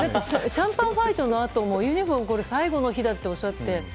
シャンパンファイトのあともユニホーム最後に日だとおっしゃって。